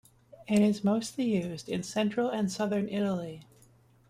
It is mostly used in Central and Southern Italy.